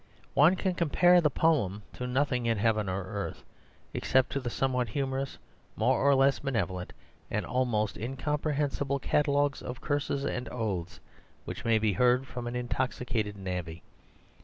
One can compare the poem to nothing in heaven or earth, except to the somewhat humorous, more or less benevolent, and most incomprehensible catalogues of curses and oaths which may be heard from an intoxicated navvy.